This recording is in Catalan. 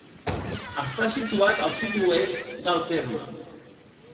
Està situat al sud-oest del terme.